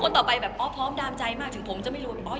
ต่อไปแบบอ๋อพร้อมดามใจมากถึงผมจะไม่รู้ออส